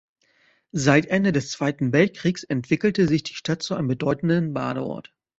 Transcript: Seit Ende des Zweiten Weltkriegs entwickelte sich die Stadt zu einem bedeutenden Badeort.